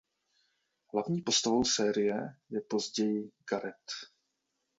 Hlavní postavou série je zloděj Garrett.